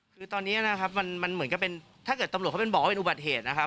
คือตอนนี้นะครับมันเหมือนกับเป็นถ้าเกิดตำรวจเขาเป็นบอกว่าเป็นอุบัติเหตุนะครับ